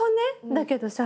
だけどさ